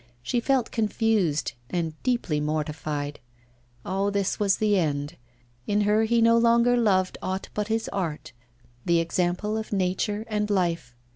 She felt confused and deeply mortified. Ah! this was the end; in her he no longer loved aught but his art, the example of nature and life!